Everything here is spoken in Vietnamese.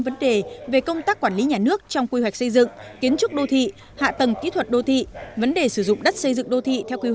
vấn đề về công tác quản lý nhà nước trong quy hoạch xây dựng kiến trúc đô thị